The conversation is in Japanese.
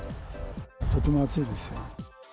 とても暑いですよ。